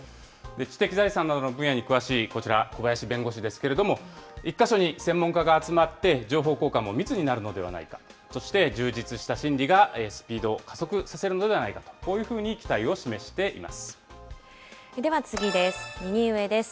知的財産などの分野に詳しい、こちら、小林弁護士ですけれども、１か所に専門家が集まって、情報交換も密になるのではないか、そして充実した審理がスピードを加速させるのではないかと、こうでは次です。